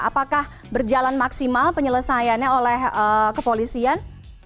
apakah berjalan maksimal penyelesaiannya oleh kepolisian